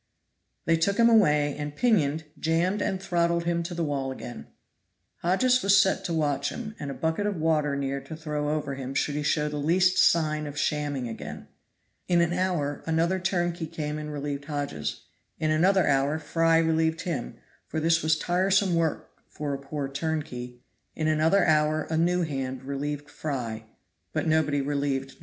They took him away, and pinioned, jammed and throttled him to the wall again. Hodges was set to watch him, and a bucket of water near to throw over him should he show the least sign of shamming again. In an hour another turnkey came and relieved Hodges in another hour Fry relieved him, for this was tiresome work for a poor turnkey in another hour a new hand relieved Fry, but nobody relieved No.